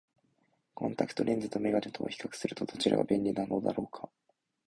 コンタクトレンズと眼鏡とを比較すると、どちらが便利なのだろうか。